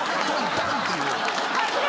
バンっていう。